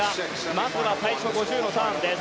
まずは５０、最初のターンです。